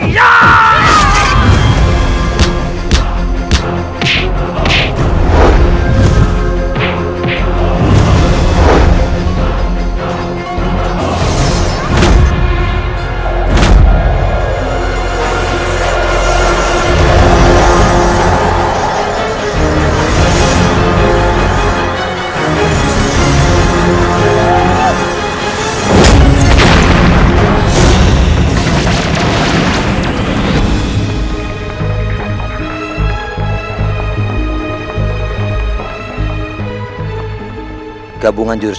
lengas dengan kanak